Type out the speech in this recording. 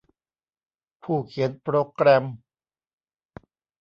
ผู้เขียนโปรแกรม